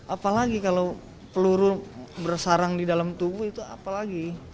apalagi kalau peluru bersarang di dalam tubuh itu apalagi